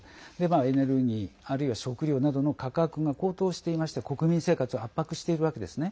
エネルギー、あるいは食料などの価格が高騰していまして国民生活を圧迫しているわけですね。